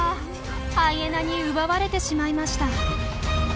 ハイエナに奪われてしまいました。